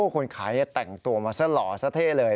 คนขายแต่งตัวมาซะหล่อซะเท่เลย